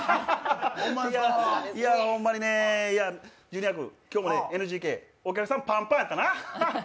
いや、ほんまにね、ジュニア君、今日もＮＧＫお客さん、パンパンやったな！